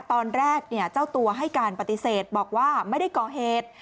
ตอนแรกเจ้าตัวให้การปฏิเสธบอกว่าไม่ได้ก่อเหตุ